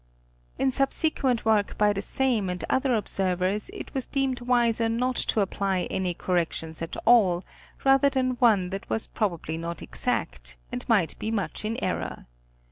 In subsequent work by the same and other observers it was deemed wiser not to apply any corrections at all, rather than one that was probably not exact, and might be much in error.